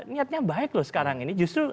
niatnya baik loh sekarang ini justru